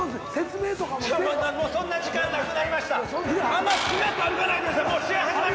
そんな時間なくなりました。